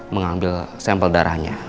mengambil sampel darahnya